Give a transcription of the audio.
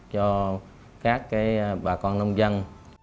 cho các bà con nông dân